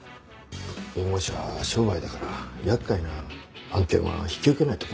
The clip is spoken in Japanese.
弁護士は商売だから厄介な案件は引き受けないとこ多いんだよ。